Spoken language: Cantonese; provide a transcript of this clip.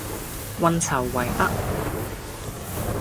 運籌帷幄